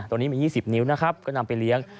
ตรงนี้มี๒๐นิ้วนะครับก็นำไปเลี้ยง